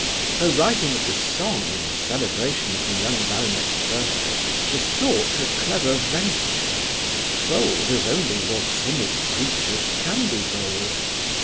Her writing of the song in celebration of the young baronet's birthday was thought a clever venture, bold as only your timid creatures can be bold.